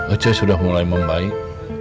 ece sudah mulai membaik